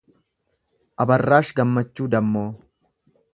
Abarraash Gammachu Dammoo